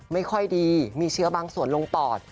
ไม่ค่อยดีมีเชื้อบางส่วนลงปอด